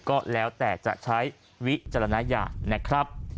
ก็แล้วแต่จะใช้วิจารณญาณนะครับ